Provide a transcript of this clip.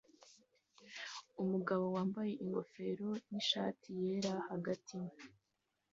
Umugabo wambaye ingofero nishati yera hagati